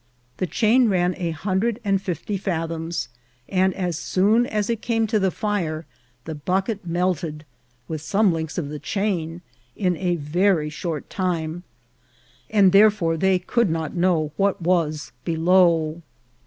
The Chain ran a hundred and fifty Fathoms, and as soon as it came to the Fire, the Bucket melted, with some Links of the Chain, in a very short Time, and therefore they could not know what was below.